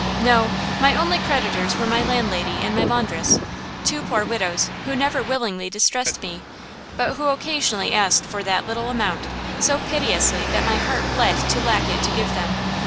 "No; my only creditors were my landlady and my laundress, two poor widows who never willingly distressed me, but who occasionally asked for 'that little amount' so piteously that my heart bled to lack it to give them.